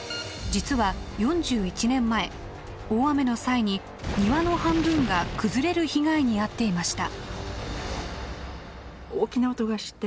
実は４１年前大雨の際に庭の半分が崩れる被害に遭っていました。